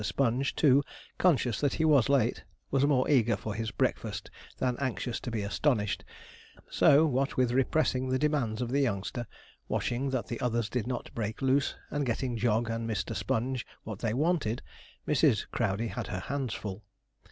Sponge, too, conscious that he was late, was more eager for his breakfast than anxious to be astonished; so, what with repressing the demands of the youngster, watching that the others did not break loose, and getting Jog and Mr. Sponge what they wanted, Mrs. Crowdey had her hands full.